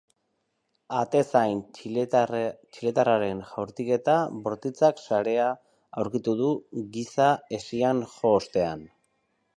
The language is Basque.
Atezain txiletarraren jaurtiketa bortitzak sarea aurkitu du giza-hesian jo ostean.